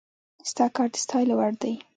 ستا کار د ستايلو وړ دی